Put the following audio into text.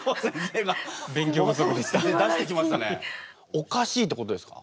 おかしいってことですか？